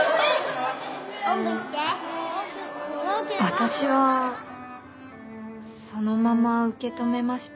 私はそのまま受け止めました。